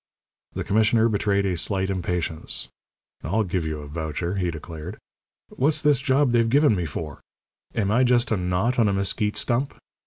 The commissioner betrayed a slight impatience. "I'll give you a voucher," he declared. "What's this job they've given me for? Am I just a knot on a mesquite stump?